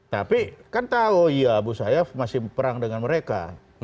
tapi kan tahu iya abu sayyaf masih perang dengan mereka